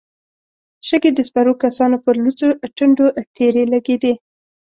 شګې د سپرو کسانو پر لوڅو ټنډو تېرې لګېدې.